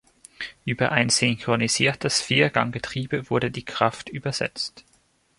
Über ein synchronisiertes Vierganggetriebe wurde die Kraft übersetzt.